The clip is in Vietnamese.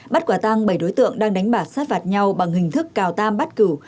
bắt quả tăng bảy đối tượng đang đánh bạc sát phạt nhau bằng hình thức cào tam bắt cửu